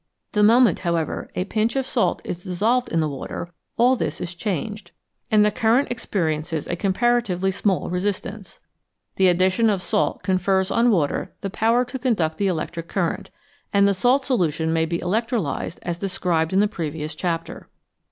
The moment, however, a pinch of salt is dissolved in the water, all this is changed, and the current experiences 310 FACTS ABOUT SOLUTIONS a comparatively small resistance. The addition of salt confers on water the power to conduct the electric current, and the salt solution may be electrolysed as described in the previous chapter.